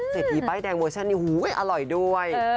เสร็จทีใบ้แดงเวอร์ชันนี้อร่อยด้วย